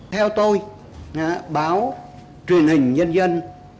theo tôi báo truyền hình nhân dân